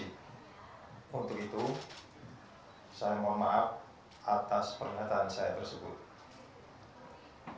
untuk itu saya mohon maaf atas pernyataan saya tersebut